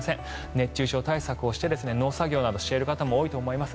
熱中症対策をして農作業などしている方も多いと思います。